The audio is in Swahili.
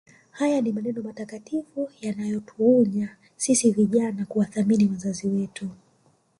Haya ni maneno matakatifu yanayotuonya sisi vijana kuwathamini wazazi wetu